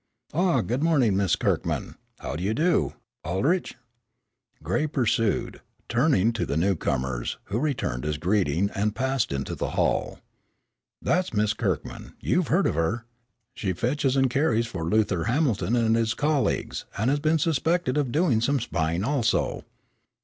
Ah, good morning, Miss Kirkman. How do you do, Aldrich?" Gray pursued, turning to the newcomers, who returned his greeting, and passed into the hall. "That's Miss Kirkman. You've heard of her. She fetches and carries for Luther Hamilton and his colleagues, and has been suspected of doing some spying, also."